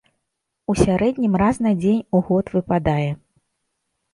У сярэднім раз на дзень у год выпадае.